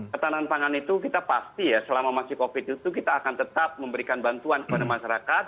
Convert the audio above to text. ketahanan pangan itu kita pasti ya selama masih covid itu kita akan tetap memberikan bantuan kepada masyarakat